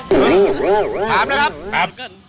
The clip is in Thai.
ถามนะครับถามกันครับค่ะ